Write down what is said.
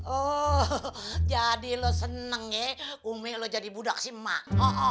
oh jadi lo seneng ya umi lo jadi budak sih emak